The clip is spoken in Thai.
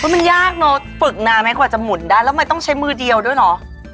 มันยากเนอะฝึกนานไหมกว่าจะหมุนได้แล้วมันต้องใช้มือเดียวด้วยเหรอ